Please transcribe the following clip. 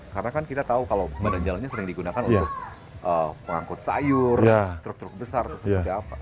karena kan kita tahu kalau badan jalannya sering digunakan untuk pengangkut sayur truk truk besar atau seperti apa